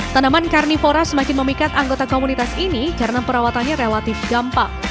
tanaman karnivora semakin memikat anggota komunitas ini karena perawatannya relatif gampang